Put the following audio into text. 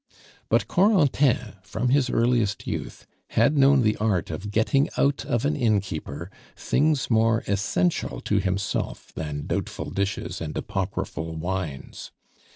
But Corentin, from his earliest youth, had known the art of getting out of an innkeeper things more essential to himself than doubtful dishes and apocryphal wines.